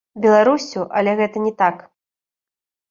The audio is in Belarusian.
Беларуссю, але гэта не так.